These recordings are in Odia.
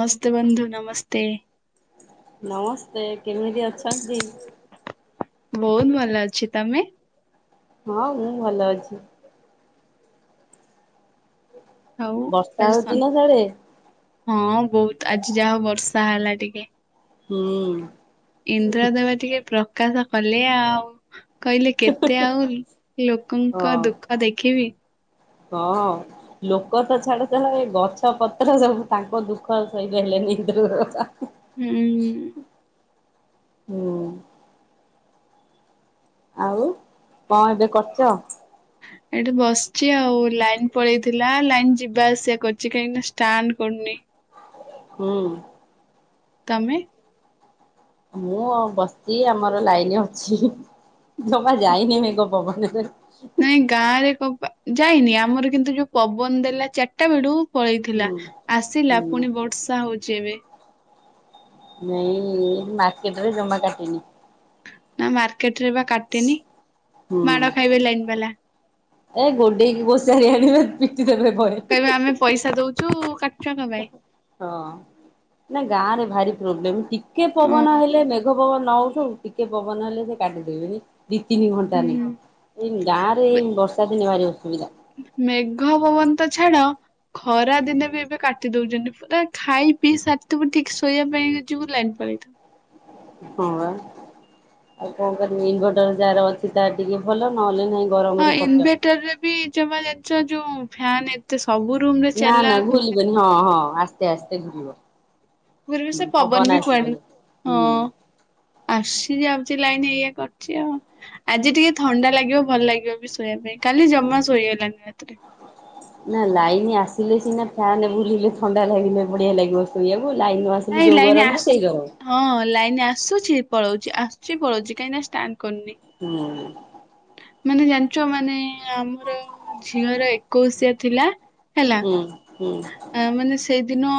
ନମସ୍ତେ ବନ୍ଧୁ ନମସ୍ତେ। ନମସ୍ତେ କେମିତି ଅଛନ୍ତି? ବୋହୁତ ଭଲ ଅଛି ତମେ। ହଁ ମୁଁ ଭଲ ଅଛି। ଆଉ ବର୍ଷା ଆଜି ହଉଛି ନା ସାଡେ? ହଁ ବହୁତ ଆଜି ଯାହା ବର୍ଷା ହେଲା ଟିକେ। ହଁ। ଇନ୍ଦ୍ର ଦେବ ଟିକେ ପ୍ରକାଶ କଲେ ଆଉ। କହିଲେ କେତେ ଆଉ ଲୋକଙ୍କ ହଁ ଦୁଃଖ ଦେଖିବି? ହଁ। ଲୋକ ତ ଛାଡ ଛାଡ ଏ ଗଛ ପତ୍ର ସବୁ ତାଙ୍କ ଦୁଃଖ ଆଉ ସହିପାରିଲେନି। ହୁଁ। ହୁଁ। ଆଉ କଣ ଏବେ କରୁଛ। ଏଇଠି ବସିଛି ଆଉ ଲାଇନ ପଳେଇଥିଲା ଲାଇନ ଯିବା ଆସିବା କରୁଛି କାହିଁକି ଷ୍ଟାଣ୍ଡ କରୁନି। ହୁଁ। ତମେ? ମୁଁ ଆଉ ବସିଛି ଆମର ଲାଇନ ଅଛି ଇହି ଜମା ଯାଇନି ମେଗ ପବନରେ। ନାଇଁ ଗାଁ ରେ କବା ଯାଇନି ଆମର କିନ୍ତୁ ଯୋଉ ପବନ ଦେଲା ଚାରିଟା ବେଡୁ ପଳେଇଥିଲା ହୁଁ। ଆସିଲା ହୁଁ ପୁଣି ବର୍ଷା ହଉଚି ଏବେ। ନାଇଁ ମାର୍କେଟ ରେ ଜମା କାଟିନି। ନା ମାର୍କେଟ ରେ ବା କାଟନି ହୁଁ ମାଡ ଖାଇବେ ଲାଇନ ବାଲା। ଏ ଗୋଡେଇକି ବୋସାରି ଆଣିବେ ପିଟି ଦେବେ ଭରେ। ତ ଆମେ ପଇସା ଦଉଛୁ କାଟୁିବା କ ପାଇଁ? ହଁ ନା ଗାଁ ରେ ଭାରି ପ୍ରୋବ୍ଲେମ୍ ଟିକେ ପବନ ହେଲେ ମେଘ ପବନ ନ ଉଠଉ ଟିକେ ପବନ ହେଲେ ସେ କାଟିଦେବେନି। ଦି ତିନି ଘଣ୍ଟା ନିକା ହୁଁ ଏଇ ଗାଁରେ ଏଇ ବର୍ଷା ଦିନେ ଭାରି ଅସୁବିଧା। ମେଘ ପବନ ତ ଛାଡ। ଖରା ଦିନେ ବି ଏବେ କାଟି ଦଉଛନ୍ତି ପୁରା ଖାଇ ପିଇ ସାରିଥିବୁ ଠିକ ଶୋଇଆ ପାଇଁ ଯିବୁ ଲାଇନ୍ ପଳେଇଥିଅ। ହଁ ବା ଆଉ କଣ କରିବି ଇନଭର୍ଟର ଯାହାର ଅଛି ତା ଟିକେ ଭଲ ନହେଲେ ନାଇଁ। ହଁ ଇନଭେଟରରେ ବି ଜମା ଜଣିଛ ଯୋଉ ଫାନ ଏତେ ସବୁ ରୁମରେ ନା ନା ଘୁଲିବନି ହଁ ହଁ ଆସ୍ତ ଆସ୍ତେ ଘୁଲିବ। ପୂର୍ବି ସେ ପବନ ବି କୁଆଡେ ହୁଁ। ହଁ। ଆସସି ଯେ ଆଉଛି ଲାଇନ ଏଇଆ କରଛି ଆଉ। ଆଜି ଟିକେ ଥଣ୍ଡା ଲାଗିବ ଭଲ ଲାଗିବ ବି ଶୋଇଆ ପାଇଁ କାଲି ଜମା ଶୋଇ ହେଲାନି ରାତିରେ। ନା ଲାଇନ ଆସିଲେ ସିନା ଫାନ ବୁଲିଲେ ଥଣ୍ଡା ଲାଗିଲେ ବଢିଆ ଲାଗିବ। ଶୋଇବାକୁ ଲାଇନ ଆସିଲୁ ନାଇଁ ଯଉ ଲାଇନ ଗରମକୁ ଆସୁ ସେଇ ଗରମ। ହଁ ଲାଇନ ଆସୁଛି ପଳଉଚି ଆସୁଛି ପଳଉଚି କାହିଁକି ନା ଷ୍ଟାଣ୍ଡ କରୁନି। ହୁଁ। ମାନେ ଜାଣିଛ ମାନେ ଆମର ଝିଅର ଏକୋଇଶିଆ ଥିଲା ହେଲା ହୁଁ ହୁଁ। ଆ ମାନେ ସେଇଦିନ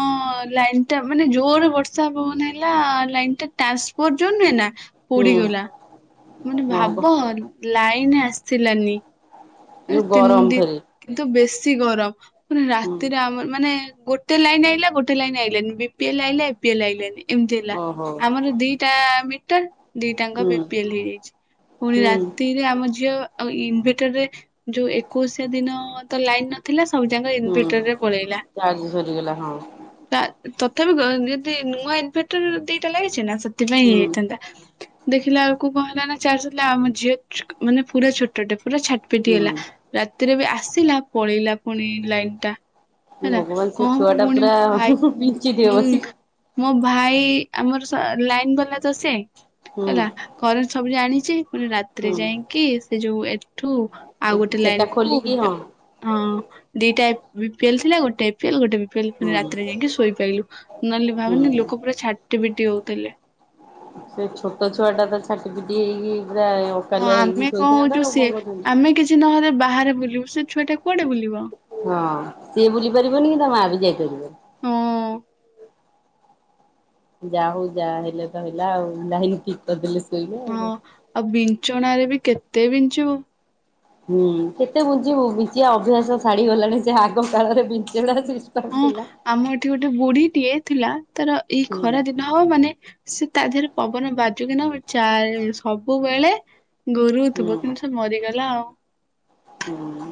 ଲାଇନ୍ ଟା ମାନେ ଜୋରେ ବର୍ଷା ପବନ ହେଲା ଲାଇନ୍ ଟା ଟାସ୍ କର ଯୋ ନା। ହୁଁ। ପୋଡିଗଲା ମାନେ ହଁ ବା ଭାବ ଲାଇନ ଆସିଲାନି। ମା ଯୋଉ ତିନି ଗରମ ଦିନ ଫେରେ କିନ୍ତୁ ବେଶୀ ଗରମ ମାନେ ହୁଁ ରାତିରେ ଆମର ମାନେ ଗୋ ଗୋଟେ ଲାଇନ ଆଇଲା ଗୋଟେ ଲାଇନ ଆଇାନି ବିପିଏଲ ଏପିଏଲ୍ ଆଇଲାନି ଏମିତି ହେଲା ଓହୋ ଆମର ଦି ଦିଟା ମିଟର ଦିଟାଙ୍କ ହୁଁ ବିପିଏଲ ହେଇଯାଇଛି ପୁଣି ହୁଁ ରାତି ଯେ ଆମ ଝିଅ ଅ ଇନଭେଟରରେ ଯୋଉ ଏକୋଇଶ ଦିନ ତ ଲାଇନ ନ ଥିଲା ସବୁ ଯାକ ହୁଁ ଇନଭିଟରରେ ପଳେଇଲା। ଚାର୍ଜ ସରିଗଲା ହଁ ତା ତଥାପି ଯଦି ନୂଆ ଇନଭଟର ଦିଟା ଲାଗିଛି ନା ସେଥିପାଇଁ ଇଏ ହୁଁ ହେଇଥାନ୍ତା। ଦେଖିଲା ଆଳକୁ କଣ ହେଲା ନା ଚାରା ଆମ ଝିଅ ମାନେ ପୁରା ଛୋଟଟେ ପୁରା ଛାଟ ପିଟି ହୁଁ ହେଲା। ରାତିରେ ବି ଆସିଲା ପଳେଇଲା ପୁଣି ଲାଇନ ଟା। ହେଲା ଭଗବାନ ସେ ଛୁଆ କଣ ଟା ପୁଣି ପୁରା ଭାଇ ବିଞ୍ଚିଥିବ ହୁଁ ବସିକି ମୋ ଭାଇ ଆମର ସ ଲାଇନ ବାଲା ତ ସେ ହୁଁ ହେଲା କରେଣ୍ଟ ସବୁ ଜଣିଚି। ନି ରାତିରେ ହୁଁ ଯାଇଁକି ସେ ଯୋଉ ଏଠୁ ଆଉ ଗୋଟେ ସେଟା ଲାଇନ କୁ ଖୋଲିକି ଗୋ ହଁ ହଁ ଦିଟା ଏ ବିପିଏଲ ଥିଲା ଗୋଟେ ଏପ ପିଲ ଗୋଟେ ବିପିଏଲ ହୁଁ ପୁଣି ରାତିରେ ଯାଇକି ଶୋଇପାଇଲୁ ନହେଲେ ହୁଁ ଭାବନି ଲୋକ ପୁରା ଛାଟି ଫିଟି ହଉଥିଲେ। ସେ ଛୋଟ ଛୁଆ ଟା ତ ଛାଟି ପିଟି ହେଇକି ପୁରା ହଁ ଅକାଲିଆ ହେଇକି ଆମେ କଣ ହଉଛୁ ଶୋଇଥାନ୍ତା ଆଉ କଣ ସିଏ କଛନ୍ତି। ଆମେ କିଛି ନହଲେ ବାହାରେ ବୁଲିବୁ ସେ ଛୁଆଟା କୁଆଡେ ବୁଲିବ। ହଁ ସିଏ ବୁଲି ପାରିବନି କି ତା ମା ବି ଯାଇପାରିବ। ହଁ ଯା ହଉ ଯାହା ହେଲେ ତ ହେଲା ଆଉ ଲାଇନି ଠିକ କରିଦେଲେ ଶୋଇଲେ ଆଉ ହଁ କ। ଆଉ ବିଞ୍ଚଣା ରେ ବି କେତେ ବିଞ୍ଚିବ। ହୁଁ କେତେ ବୁଞ୍ଚିବୁ ବିଞ୍ଚିଆ ଅଭ୍ୟାସ ଛାଡିଗଲାଣି ଯେ ଆଗ କାଳରେ ବିଞ୍ଚଣା ସେ କରଥିଲା। ଠି ଗୋଟେ ବୁଢୀଟିଏ ଥିଲା ତାର ଏଇ ହୁଁ ଖରା ଦି ନହବ ମାନେ ସେ ତା ଦେହରେ ପବନ ବାଜୁ କିି ନ ବାଜୁ ଚା ସବୁବେଳେ। ହୁଁ ଗୋରୁଥିବ କିନ୍ତୁ ସେ ମରିଗଲା ଆଉ। ହୁଁ।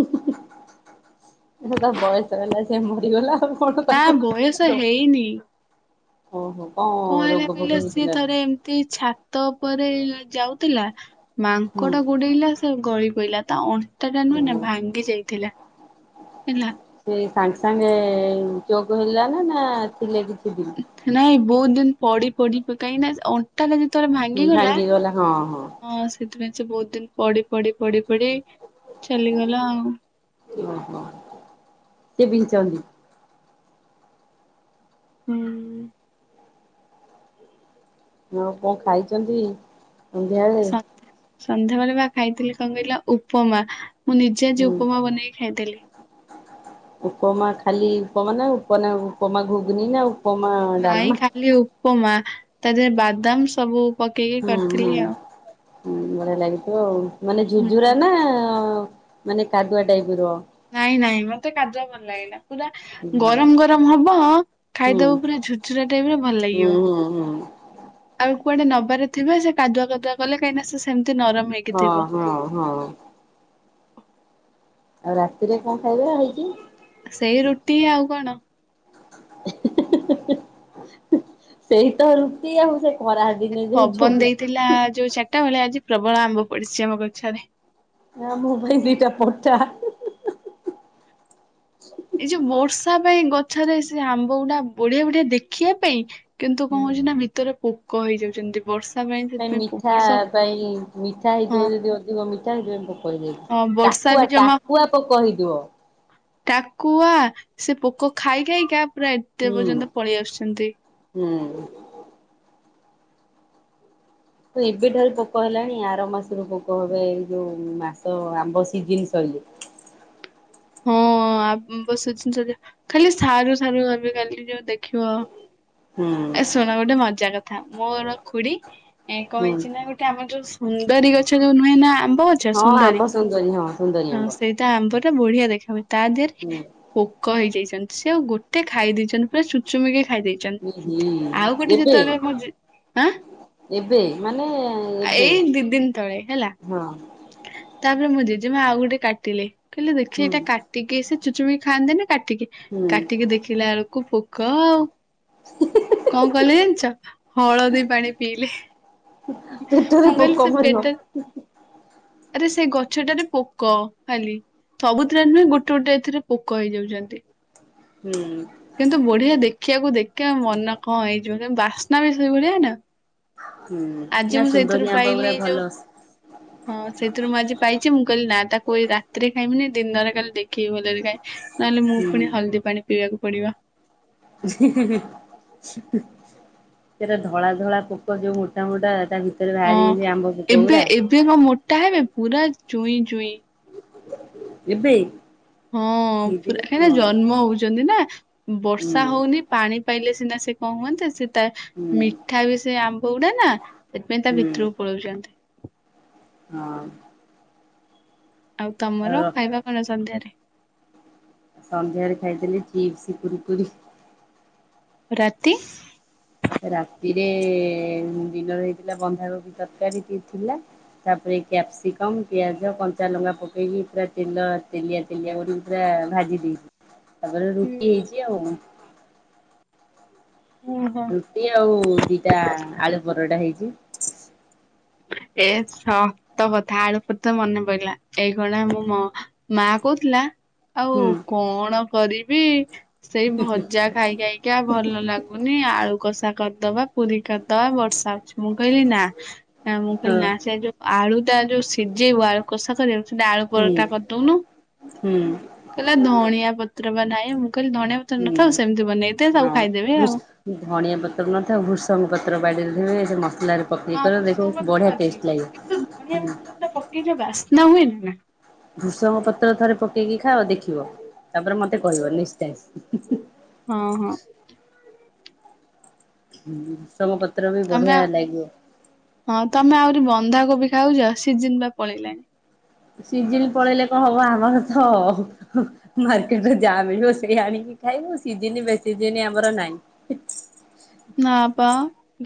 ଏ ତ ବୟସ ହେଲା ସି ମରିଗଲା ଆଉ। କଣ ନା ତାକୁ ବୟସ ହେଇନି। ଓହୋ କଣ। କଣ ହେଲା ରୋଗ ଫୋଗ କହିଲ ସିଏ ହେଇଥିଲା ନା? ଥରେ ଏମିତି ଛା। ତ ପରେ ଯାଉଥିଲା ହୁଁ ମାଙ୍କଡ଼ ଗୋଡେଇଲା ସେ ଗଳି ପଇଲା ତା ଅଁ। ଟା ନୁହେଁ ନା ହୁଁ। ଭାଙ୍ଗି ଯାଇଥିଲା ହେଲା। ସେ ସାଙ୍ଗେ ସାଙ୍ଗେ ଚୋକ ହେଲା ନା ନା ଥିଲେ କିଛି ଦି। ନାଇଁ ବହୁତ ଦିନ ପଢି ପଢି କାହିଁକି ନା। ତାହେଲେ ଯେତବେଳେ ଭାଙ୍ଗିଗଲା ହଁ। ସେଥିପାଇଁ ସେ ବହୁତ ଦିନ ପଢି ପଢି ପଢି ପଢି ଚାଲିଗଲା ଆଉ। ଓହୋ ସେ ବିିଚଁନ୍ତି। ହୁଁ। ଆଉ କଣ ଖାଇଛନ୍ତି? ସନ୍ଧ୍ୟାବେଳେ ସନ୍ଧ୍ୟା ସନ୍ଧ୍ୟାବେଳେ ବା ଖାଇଥିଲି କଣ କହିଲା ଉପମା। ମୁଁ ନିଜେ ଆଜି ହୁଁ। ଉପମା ବନେଇକି ଖାଇଥିଲି। ଉପମା ଖାଲି ଉପମା ନା ଉପନା ଉପମା ଘୁଗୁନି ନା। ଉପମା ନାଇଁ ଡାଲମା? ଖାଲି ଉପମା ତା ଦେହରେ ବାଦାମ ସବୁ। ପକେଇକି ହୁଁ ହୁଁ କରିଥିଲି ଆଉ। ବଢିଆ ଲାଗିଥିବ ଆଉ ମାନେ ଝୁଝୁରା ହୁଁ ନା ଅ। ମାନେ କାଦୁଆ ଟାଇପ ର। ନାଇଁ ନାଇଁ ମତେ କାଦୁଆ ଭଲ ଲାଗେନା ପୁରା। ହୁଁ ଗରମ ଗରମ ହବ ଖାଇଦବ ପୁରା ଝୁରଝୁରା ଟାଇପ ର ଭଲ ଲାଗିବ। ହୁଁ ହୁଁ ହୁଁ। ଆଉ କୁଆଡେ ନବାରେ ଥିବ ସେ କାଦୁଆ କାଦୁଆ କଲେ କାହିଁକି ନା ସେମିତି ନରମ। ହେଇକି ହଁ ଥିବ। ହଁ ହଁ। ଆଉ ରାତିରେ କଣ ଖାଇବେ ହେଇଛିି? ସେଇ ରୁଟି ଆଉ କଣ। [unintelligible] ସେଇ ତ ରୁଟି ଆଉ ସେ ଖରା ଦିନେ ଯୋଉ ଥିଲା ଯୋଉ ଚାରିଟା ବେଳେ ଆଜି ପ୍ରବଳ ଆମ୍ବ ପଡିଛି ଆମ ଗଛରେ। ନାଁ ମୋ ପାଇଁ ଦିଟା ପଠା। ଏଇ ଯୋଉ ବର୍ଷା ପାଇଁ ଗଛରେ ସେ ଆମ୍ବ ଗୁଡା ବଢିଆ ବଢିଆ ଦେଖିବା ପାଇଁ କିନ୍ତୁ କଣ ହଉଛି ନା ଭିତରେ ପୋକ ହେଇଯାଉଛନ୍ତି ବର୍ଷା ପାଇଁ ସେଥିପାଇଁ ପୋ- ମିଠା ବର୍ଷ ପାଇଁ ମିଠା ହଁ ହେଇଥିବ ଯଦି ଅଧିକ ମିଠା ହେଇଥିବ ସେଥିପାଇଁ କହି ହଁ ବର୍ଷା ଟାକୁଆ ବି ଜମା ଟାକୁଆ ପୋକ ହେଇଥିବ। ଟାକୁଆ ସେ ପୋକ ଖାଇ ଖାଇକା ପୁରା ଏତେ ହୁଁ। ପର୍ଯ୍ୟନ୍ତ ପଳେଇ ଆସୁଛନ୍ତି। ହୁଁ। ହ ଏବେଠାରୁ ପୋକ ହେଲାଣି ଆର ମାସରୁ ପୋକ ହେବେ ଏଇ ଯୋଉ ମାସ ଆମ୍ବ ସିଜିନ ସଇଲେ। ହଁ ଆମ୍ବ ସିଜିନ ସରିଗ ଖାଲି ସାରୁ ସାରୁ ଆମ କାଲି ଯୋଉ ଦେଖିବ। ହୁଁ ଏ ଶୁଣ ଗୋଟେ ମଜା କଥା ମୋର ଖୁଡି ଏ କଁ ହୁଁ ହେଇଛି ନା ଗୋଟେ ଆମର ଯୋଉ ସୁନ୍ଦରୀ ଗଛ ଯୋଉ ନୁହେ ନା ଆମ୍ବ ହଁ ଆମ୍ବ ସୁନ୍ଦରୀ ହଁ ସୁନ୍ଦରୀ ଆମ୍ବ। ତା ଆମ୍ବ ଟା ବଢିଆ ଦେଖା ହୁଏ ତା ଦେହେରେ ହୁଁ ପୋକ ହେଇଯାଇଛନ୍ତି ସେ ଆଉ ଗୋଟେ ଖାଇ ଦେଇେଛନ୍ତି ପୁରା ଚୁଚୁମିକି ଖାଇ ଦେଇ ଇହି ଚନ ଆଉ ଗୋଟେ ଏବେ ଯେତେବେଳେ ମୋ ଯେ ଆଁ ଏବେ ମାନେ ଏବେ ଏଇ ଦି ଦିନ ତଳେ ହେଲା ହଁ। ତାପରେ ମୋ ଜେଜେମା ଆଉ ଗୋଟେ କାଟିଲେ କହିଲେ ଦେଖି ହୁଁ ଏଇଟା କାଟିକି ସେ ଚୁଚୁମି କି ଖାଆନ୍ତିନି କାଟିକି, ହୁଁ କାଟିକି ଦେଖିଲା ବୁଳୁକୁ କ କଣ କଲେ ଜାଣିିଛ ହଳଦୀ ପାଣି ପିଇଲେ। ପେଟରେ ମୁଁ କହିଲି ପୋକ ସେ ମରିବ। ପେଟରେ ଆରେ ସେ ଗଛଟାରେ ପୋକ ଖାଲି। ସବୁଥିରେ ନୁହେଁ ଗୋଟେ ଗୋଟେ ଏଥିରେ ପୋକ ହେଇଯାଉଚନ୍ତି। ହୁଁ। କିନ୍ତୁ ବଢିଆ ଦେଖିବାକୁ ଦେଖିବା ମନ କଣ ହେଇଯିବ ବାସ୍ନା ବି ସେ ଭଳିଆ ନା। ହୁଁ ଆଜି ନା ମୁଁ ସେଇଥିରୁ ସୁନ୍ଦରୀ ଆମ୍ବ ପାଇଲି ଗୁରା ଏଇ ଯୋଉ ଭଲ। ହଁ ସେଇଥିରୁ ମୁଁ ଆଜି ପାଇଛି ମୁଁ କହିଲି ନା ତାକୁ ଏଇ ରାତିରେ ଖାଇବିନି ଦିନରେ କାଲି ଦେଖିବି ଭଲରେ ଖାଇ ନହେଲେ ମୁଁ ହୁଁ। ପୁଣି ହଳଦୀ ପାଣି ପିଇବାକୁ ପଡିବ। [unintelligible] ସେଟା ଧଳା ଧଳା ପୋକ ଯୋଉ ମୋଟା ମୋଟା ତା ଭିତରେ ବାହାରି ଯାଇଛି ଆମ୍ବ ପୋକ ଉରା। ମ ମୋଟା ହେବେ ପୁରା ଚୁଇଁ ଚୁଇଁ। ଏବେ। ହଁ ହେଇଯିବେ ପୁରା ନା ହଁ ଜନ୍ମ ହଉଛନ୍ତି ନା ହୁଁ ବର୍ଷା ହଉନି। ପାଣି ପାଇଲେ ସିନା ସେ କଣ ହୁଅନ୍ତା ସେ ତା ହୁଁ। ମିଠା ବି ସେ ଆମ୍ବ ଗୁଡା ନା ସେଥିପାଇଁ ତା ହୁଁ ଭିତରକୁ ପଳଉଛନ୍ତି। ହଁ। ଆଉ ତମର ଆଉ ଖାଇବା କଣ ସନ୍ଧ୍ୟାରେ? ସନ୍ଧ୍ୟାରେ ଖାଇଥିଲି ଚିପ୍ସ କୁର କୁରି। ରାତି। ରାତିରେ ଦିନରେ ହେଇଥିଲା ବନ୍ଧାକୋବିି ତରକାରୀ କି ଥିଲା। ତାପରେ କ୍ୟାପ୍ସିକମ୍ ପିଆଜ କଞ୍ଚା ଲଙ୍କା ପକେଇକି ପୁରା ତେଲ ତେଲିଆ ତେଲିଆ କରିକି ପୁରା ଭାଜି ଦେଇଛି ତାପରେ ରୁଟି ହୁଁ ହେଇଛି ଆଉ। ଓହୋ। ଟି ଆଉ ଦିଟା ଆଳୁ ପରଟା ହେଇଛି। ଏ ସତ କଥା ଆଳୁ ପରେ ତ ମନେ ପଡିଲା ଏଇ ଖୁଣା ମ ମ ମା କହୁଥିଲା ଆଉ ହୁଁ କଣ କରିବି ସେଇ ଭଜା ଖାଇ ଖାଇକା ଭଲ ଲାଗୁନି ଆଳୁ କଷା କରିଦବା ପୁରୀ କରିଦବା ବର୍ଷା ମୁଁ କହିଲି ନା ମୁଁ ହଁ କହିଲି ନା ସେ ଜଉ ଆଳୁ ଟା ଜଉ ସିଝେଇବ ଆଳୁ କଷା କରିବାକୁ। ଆଳୁ ହୁଁ ପରଟା କରିଦଉନୁ। ହୁଁ କହିଲା ଧଣିଆ ପତ୍ର ବା ନାହିଁ ମୁଁ କହିଲି ଧଣିଆ ପତ୍ର ହୁଁ ନଥାଉ ସେମିତି ବନେଇଦେ ସବୁ ହଁ। ଖାଇଦେବେ ଆଉ। ଧଣିଆ ପତ୍ର ନଥାଉ ଭୃଷଙ୍ଗ ପତ୍ର ବାଡିରେ ଥିବେ ସେ ମସଲାରେ ପକେଇ ହଁ କର ଦେଖିବ ଭୃସଙ୍ଗ ପତ୍ର ବଢିଆ ଅଛି ଟେଷ୍ଟ ଲାଗେ। କିନ୍ତୁ ଧଣିଆ ହୁଁ ପତ୍ର ଟା ପକେଇଲେ ବାସ୍ନା ହୁଏନି ନା। ଭୃସଙ୍ଗ ପତ୍ର ଥରେ ପକେଇକି ଖାଅ ଦେଖିବ ତାପରେ ମତେ କହିବ ନିଶ୍ଚୟ। ହଁ ହଁ। ଭୃସଙ୍ଗ ପତ୍ର ବି ତମେ ବଢିଆ ଆଉ ଲାଗିବ। ହଁ ତମେ ଆହୁରି ବନ୍ଧାକୋବି ଖାଉଛ ସିଜିନ ତ ପଳେଇଲାଣି। ସିଜିନ ପଳେଇଲେ କଣ ହବ ଆମର ତ ମାର୍କେଟରେ ଯାହା ମିଳିବ ସେଇ ଆଣିକି ଖାଇବ ସିଜିିନ ବେସିଜିନ ଆମର ନାହିଁ। [inaudible] ନାପା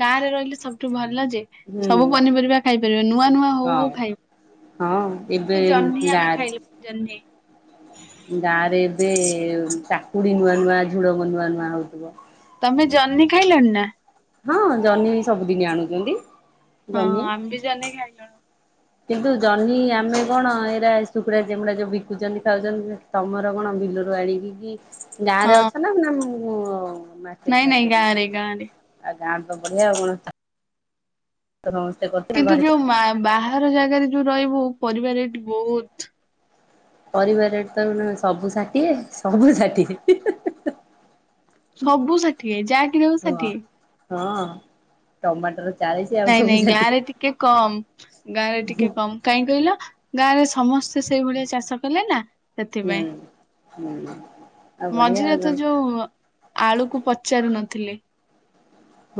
ଗାଁରେ ରହିଲେ ସବୁଠୁ ଭଲ ଯେ। ହୁଁ ସବୁ ପନିପରିବା ଖାଇପାରିବା ନୂଆ ନୂଆ ହଉ ହଉ ହଁ ଖାଇବ। ଏବେ ଜହ୍ନି ଆମେ ଖାଇଲୁ ଜହ୍ନି। ଗାଁ ରେ ଏବେ କାକୁଡି ନୂଆ ନୂଆ ଝୁଢୁଙ୍ଗ ନୂଆ ନୂଆ ହଉଥିବ। ତମେ ଜହ୍ନି ଖାଇଲଣି ନା। ହଁ ଜହ୍ନି ସବୁଦିନ ଆଣୁଛନ୍ତି। ହଁ ଜହ୍ନି ଆମେ ବି ଜହ୍ନି ଖାଇଲୁଣି। କିନ୍ତୁ ଜହ୍ନି ଆମେ କଣ ଏଇରା ଶୁଖଡ଼ା ଯେମୁଡ଼ା ଯୋଉ ବିକୁଛନ୍ତି ଖାଉଛନ୍ତି। ତମର କଣ ବିଲରୁ ଆଣିକି କି ହଁ। ଗାଁରେ ଅଛ ନା ନା ମର ନାଇଁ ନାଇଁ ଗାଁରେ ଗାଁରେ। ଆଉ ଗାଁରେ ତ ବଢିଆ ଆଉ କଣ। ସମସ୍ତେ କହୁ। ଲ କିନ୍ତୁ ଯୋଉ ବାହାର ଜାଗାରେ ଯୋଉ ରହିବୁ ପରିବା ରେଟ ବହୁତ। ପରିବା ରେଟ ତ ସବୁ ଷାଠିଏ ସବୁ ଷାଠିଏ। [inaudible] ସବୁ ଷାଠିଏ ଯାହା କିିଣିବୁ ହଁ ଷାଠିଏ। ହଁ ଟମାଟର। ଚାଳିଶି ଆଉ ନାଇଁ ସବୁ ନାଇଁ ଗାଁ ଷାଠିଏ ରେ ଟିକେ କମ୍। ଗାଁରେ ଟିକେ କମ କାହିଁ କହିଲ ଗାଁ ରେ ସମସ୍ତେ ସେଇ ଭଳିଆ ଚାଷ କଲେ ନା। ହୁଁ ସେଥିପାଇଁ ହୁଁ। ଆଉ ବଢିଆ ଆଉ ମଝିରେ କଣ। ତ ଯୋଉ ଆଳୁକୁ ପଚାରୁ ନଥିଲେ।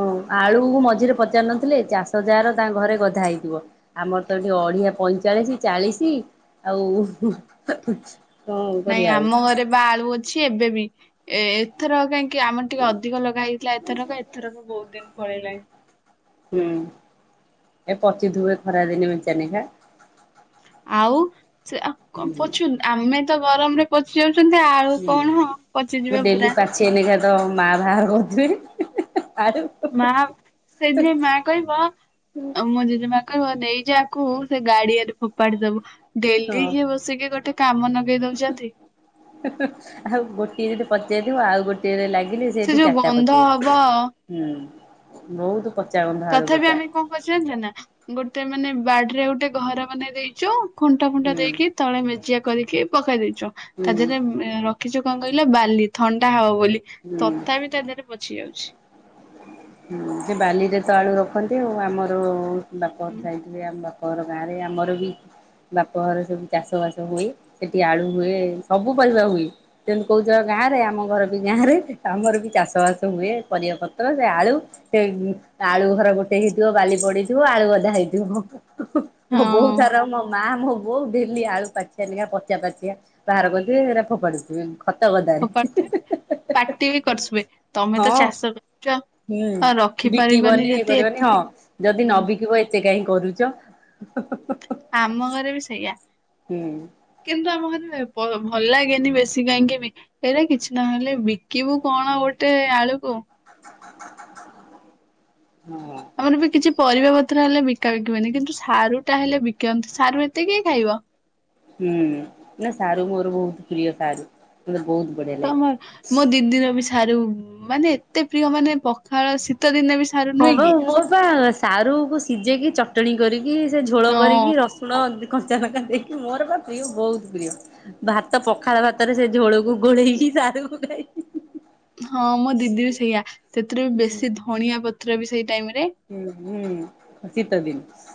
ହଁ ଆଳୁକୁ ମଝିରେ ପଚାରି ନଥିଲେ ଚାଷ ଯାହାର ତାଙ୍କ ଘରେ ଗଧା ହେଇଥିବ। ଆମର ତ ଏଠି ଅଡିିଆ ପଇଁଚାଳିଶ ଚାଳିଶ ଆଉ ହୁଁ-ହୁଁ। ନାଇଁ ଆମ ଘରେ ବା ଆଳୁ ଅଛି ଏବେ ବିି ଏ ଏଥର କାହିଁକି। କି ଆମର ଟିକେ ଅଧିକ ଲଗା ହେଇଥିଲା ଏଥରକ ଏଥରକ ବହୁତ ଦିନ ପଳେଇଲାଣିି। ହୁଁ ଏ ପଚୁ ଥିବ ଖରା ଦିନେ ମିଞ୍ଚାନେଖା। ଆଉ ସେ ହୁଁ [inaudible] ଆମେ ତ ଗରମରେ ପଚି ଯାଉଛନ୍ତି ଆ ଆଉ କଣ ହଁ ପଚିଯିବ ପୁରା। ସେଇନେକା ତ ମା ବାହାର କରଥିବେ ଆଳୁ। ମା ସେଥିପାଇଁ ମା କହିବ ଆଉ ମୁଁ ଯଦି ମା କହିବ ନେଇଯାଆକୁ ସେ ଗାଡିଆରେ ଫୋପାଡି ଦବ। ଡେଲି ହଁ କି ବସିକି ଗୋଟେ କାମ ଲଗେଇଁ ଦଉଛନ୍ତି। ଆଉ ଗୋଟିଏ ଯଦି ପଚାରିବ ଆଉ ଗୋଟେ [inaudible] ଲାଗିଲି ସେ ସେଠି ଯୋଉ ଚାରିଟା ଗନ୍ଧ ହବ ପଚାରିବ ହୁଁ ବହୁତ ଗନ୍ଧ ଆଳୁ ତଥାପି ପଚା ଆମେ କଣ କରିଚୁ ଜାଣିଚ ନା ଗୋଟେ ମାନେ ବାଡିରେ ଗୋଟେ ଘର ବନେଇ ଦେଇଚୁ। କଣ୍ଟା ଫଣ୍ଟା ହୁଁ ଦେଇକି ତଳେ ମେଜିଆ କରିକି ପକେଇ ଦେଇଚୁ ହୁଁ ତା ଦେହରେ। ରଖିଛୁ କଁ କହିଲ ବାଲି ଥଣ୍ଡା ହବ ବୋଲି ହୁଁ ତଥାପି ତା ଦେହରେ ପଚି ଯାଉଛି। ସେ ବାଲିରେ ତ ଆଳୁ ରଖନ୍ତି ଆଉ ଆମର ବାପଘର ହୁଁ। ସାଇଟ। ଏ ଆମ ବାପର ଗାଁରେ ଆମର ବି ବାପଘର ସବୁ ଚାଷ ବାସ ହୁଏ ସେଠି ଆଳୁ ହୁଏ ସବୁ ପରିବା ହୁଏ। ତେଣୁ କହୁଛ ଗାଁ ରେ ଆମ ଘର ବି ଗାଁ ରେ ଆମର ବି ଚାଷ ବାସ ହୁଏ ପରିବାପତ୍ର ସେ ଆଳୁ ସେ ଆଳୁ ଘର ଗୋଟେ ହେଇଥିବ ବାଲି ପଡିଥିବ ଆଳୁ ଗଧା ହେଇଥିବ। ହୁଁ ହୁଁ ହଁ ମୋ ବୋଉଥର ମୋ ମା ମୋ ବୋଉ ଡେଲି ଆଳୁ ପାଚିଆ ନା ପଚା ପାଚିଆ ବାହାର କରିଥିବେ ହେରା ଫୋପାଡୁ ଥିବେ। ପାଟିରେ ପାଟି କରିସିବେ ତମେ ତ ହଁ। ଚାଷ [unintelligible] ହୁଁ ଆଉ ରଖିପାରିବନି ବିକିବନି ଇଏ ଯଦି କରିବନି ହଁ ଯଦି ନ ହୁଁ ବିକିବ ଏ ଏତେ କାହିଁ କରୁଛ? ହୁଁ ହୁଁ ଆମ ଘରେ ବି ସେଇଆ ହୁଁ। କିନ୍ତୁ ଆମ ଘରେ ପ ଭଲ ଲାଗେନି ବେଶୀ କାହିଁକି ମି ହେଇଟା କିଛି ନହଲେ ବିକିବୁ କଣ ଗୋଟେ ଆଳୁକୁ ହୁଁ। ଆମର ଏ ବି କିଛି ପରିବା ପତ୍ର ହେଲେ ବିକା ବିକି ହୁଏନି କିନ୍ତୁ ସାରୁ ଟା ହେଲେ ବିକିନ୍ତି ସାରୁ ଏତେ କିଏ ଖାଇବ? ହୁଁ ନା ସାରୁ ମୋର ବହୁତ ପ୍ରିୟ ସାରୁ ମତେ ବହୁତ ବଢିଆ ଲାଗେ। ତମ ମୋ ଦିଦିର ବି ସାରୁ ମାନେ ଏତେ ପ୍ରିୟ ମାନେ ପଖାଳ ଶୀତ ଦିନ ବି ସାରୁ ହଁ ନୁହେଁ ପା କି ମୋର ପା ସାରୁକୁ ସିଝେଇକି ଚଟଣି କରିକି ସେ ଝୋଳ ହଁ କରିକି ର ଶୁଣ କଞ୍ଚା ଲଙ୍କା ଦେଇକି ମୋର ବା ପ୍ରିୟ ବହୁତ ପ୍ରିୟ ଭାତ ପଖାଳ ଭାତରେ ସେ ଝୋଳକୁ ଗୋଳେଇକି ସାରକୁ ଖାଇ ହୁଁ ହୁଁ ହଁ ମୋ ଦିଦି ବି ସେଇଆ ସେଥିରେ ବେଶୀ ଧଣିଆ ପତ୍ର ବି ସେଇ ଟାଇମରେ ହୁଁ ହୁଁ ଶୀତ ଦିନ